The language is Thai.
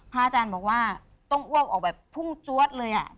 อาจารย์บอกว่าต้องอ้วกออกแบบพุ่งจวดเลย